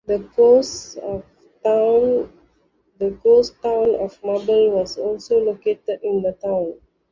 The ghost town of Marble was also located in the town.